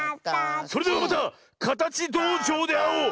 それではまたかたちどうじょうであおう！